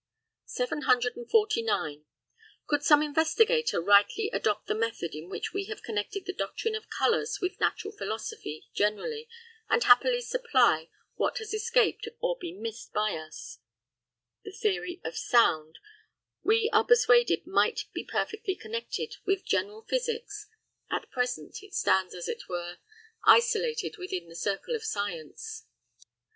Note B B. 749. Could some investigator rightly adopt the method in which we have connected the doctrine of colours with natural philosophy generally, and happily supply what has escaped or been missed by us, the theory of sound, we are persuaded, might be perfectly connected with general physics: at present it stands, as it were, isolated within the circle of science.